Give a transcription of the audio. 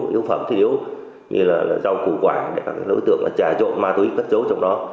yếu phẩm thiết yếu như rau củ quả để các đối tượng trả rộn ma túy tất số trong đó